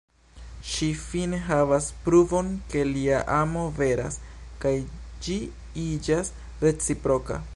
Ŝi fine havas pruvon ke lia amo veras, kaj ĝi iĝas reciproka.